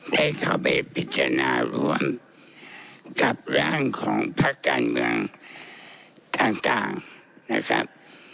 ให้เข้าไปพิจารณาร่วมกับร่างของพักการเมืองต่างนะครับ